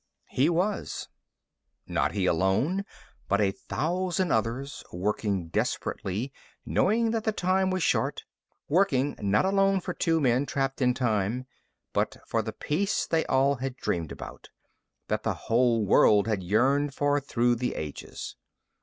XIV He was. Not he alone, but a thousand others, working desperately, knowing that the time was short, working not alone for two men trapped in time, but for the peace they all had dreamed about that the whole world had yearned for through the ages.